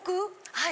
はい。